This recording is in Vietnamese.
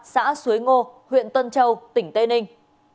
xã suối ngô huyện tân châu tỉnh tây ninh